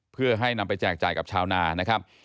เพื่อให้นำไปแจกจ่ายกับชาวนานะครับ